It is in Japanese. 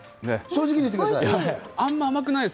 正直に言ってください。